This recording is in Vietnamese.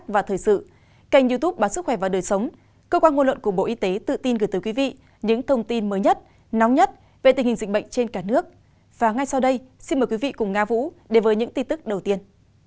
và ngay sau đây xin mời quý vị cùng nga vũ đề với những tin tức đầu tiên